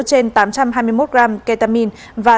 trên tám trăm hai mươi một gram ketamine